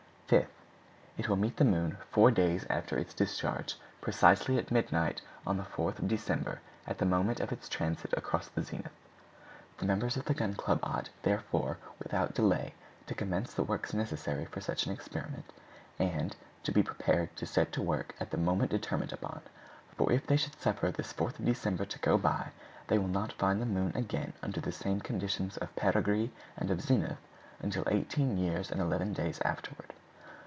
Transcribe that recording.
5th. It will meet the moon four days after its discharge, precisely at midnight on the 4th of December, at the moment of its transit across the zenith. The members of the Gun Club ought, therefore, without delay, to commence the works necessary for such an experiment, and to be prepared to set to work at the moment determined upon; for, if they should suffer this 4th of December to go by, they will not find the moon again under the same conditions of perigee and of zenith until eighteen years and eleven days afterward.